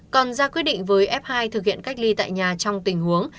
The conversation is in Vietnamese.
còn ra quyết định với f hai thực hiện cách ly tại nhà trong tình huống